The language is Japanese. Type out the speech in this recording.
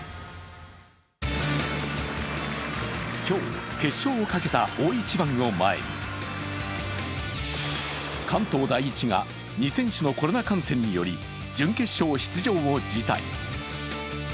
今日、決勝をかけた大一番を前に関東第一が２選手のコロナ感染により、準決勝出場を辞退。